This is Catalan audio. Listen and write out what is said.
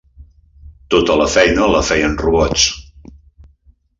Tota la feina la feien robots.